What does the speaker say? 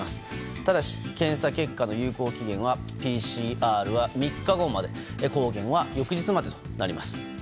ただし検査結果の有効期限はＰＣＲは３日後まで抗原は翌日までとなります。